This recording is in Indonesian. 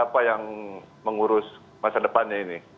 apa yang mengurus masa depannya ini